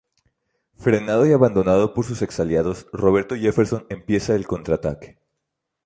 Frenado y abandonado por sus ex aliados, Roberto Jefferson empieza el contraataque.